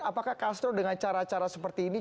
apakah castro dengan cara cara seperti ini